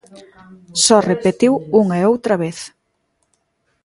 Só repetiu unha e outra vez.